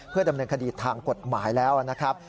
ดำเนินคดีทางกฎหมายแล้วนะครับ